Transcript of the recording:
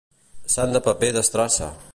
Sant de paper d'estrassa.